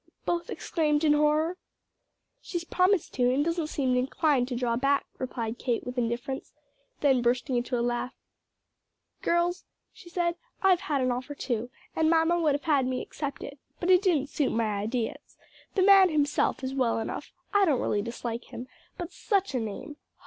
both exclaimed in horror. "She's promised to and doesn't seem inclined to draw back," replied Kate with indifference. Then bursting into a laugh, "Girls," she said, "I've had an offer too, and mamma would have had me accept it, but it didn't suit my ideas. The man himself is well enough, I don't really dislike him; but such a name!